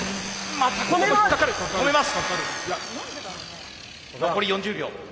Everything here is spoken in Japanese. また止めます。